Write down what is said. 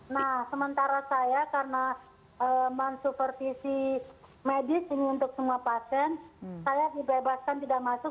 nah sementara saya karena mensupertisi medis ini untuk semua pasien saya dibebaskan tidak masuk